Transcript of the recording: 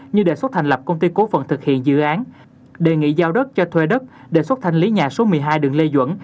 như đề xuất thành lập công ty cố phận thực hiện dự án đề nghị giao đất cho thuê đất đề xuất thanh lý nhà số một mươi hai đường lê duẩn